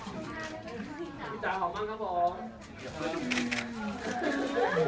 ขอสายตาซ้ายสุดด้วยครับ